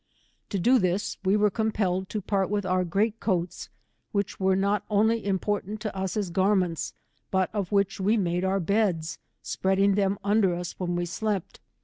To do this, we were compelled to part with our great coats, which were not only import ant to us as garments, but of which we made our beds, spreading them under as when we slept.